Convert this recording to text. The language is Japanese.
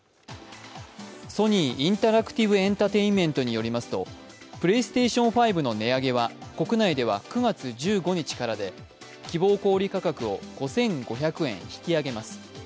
ソニー・インタラクティブエンタテインメントによりますとＰｌａｙＳｔａｔｉｏｎ５の値上げは国内では９月１５日からで希望小売価格を５５００円引き上げます。